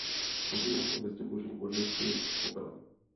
Pod nimi jsou ve zdi uloženy urny s jejich popelem.